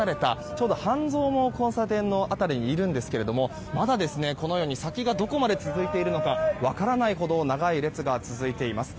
ちょうど半蔵門交差点の辺りにいるんですがまだ先がどこまで続いているのか分からないほど長い列が続いています。